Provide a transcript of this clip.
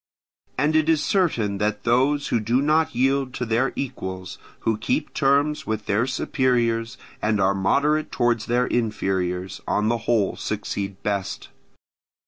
And it is certain that those who do not yield to their equals, who keep terms with their superiors, and are moderate towards their inferiors, on the whole succeed best.